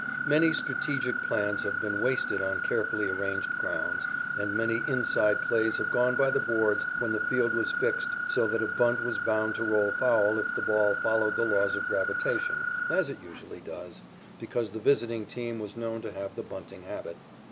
Many strategic plans have been wasted on carefully arranged grounds, and many "inside" plays have gone by the boards when the field was fixed so that a bunt was bound to roll foul if the ball followed the laws of gravitation, as it usually does, because the visiting team was known to have the bunting habit.